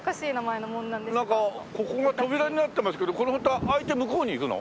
なんかここが扉になってますけどこのフタ開いて向こうに行くの？